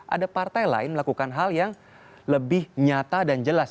ada partai lain melakukan hal yang lebih nyata dan jelas